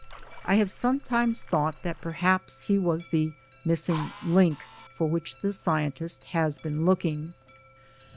I have some times thought that perhaps he was the "missing link" for which the scientist has been looking.